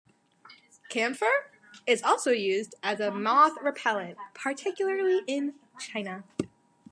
Camphor is also used as a moth repellent, particularly in China.